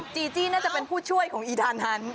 จีจี้น่าจะเป็นผู้ช่วยของอีธานฮัน